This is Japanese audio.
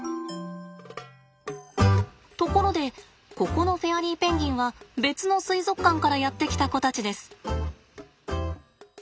ところでここのフェアリーペンギンは別の水族館からやって来た子たちです。